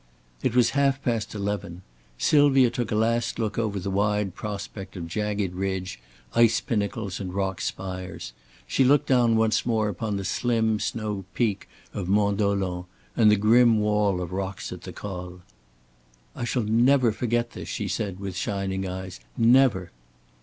It was half past eleven. Sylvia took a last look over the wide prospect of jagged ridge, ice pinnacles and rock spires. She looked down once more upon the slim snow peak of Mont Dolent and the grim wall of rocks at the Col. "I shall never forget this," she said, with shining eyes. "Never."